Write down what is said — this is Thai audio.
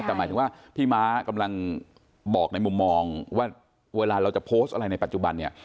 แต่หมายถึงว่าพี่ม้ากำลังบอกในมุมมองว่าเวลาเราจะโพสต์อะไรในปัจจุบันเนี่ย